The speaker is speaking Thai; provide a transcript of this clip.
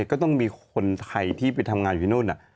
ก็ต้องมีคนไทยที่ไปทำงานอยู่ที่นู่น